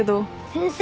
先生